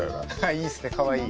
いいですねかわいい。